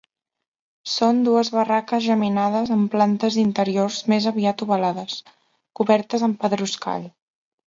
Són dues barraques geminades amb plantes interiors més aviat ovalades, cobertes amb pedruscall.